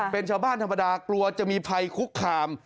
เป็นชาวบ้านธรรมดากลัวจะมีภัยคุกคาม